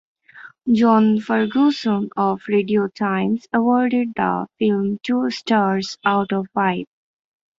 John Ferguson of "Radio Times" awarded the film two stars out of five.